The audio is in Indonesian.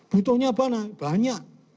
butuhnya apa banyak